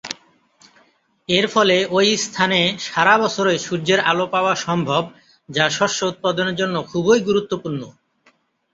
এর ফলে ঐ স্থানে সারা বছরই সূর্যের আলো পাওয়া সম্ভব যা শস্য উৎপাদনের জন্য খুবই গুরুত্বপূর্ণ।